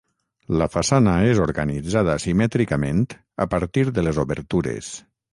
La façana és organitzada simètricament a partir de les obertures.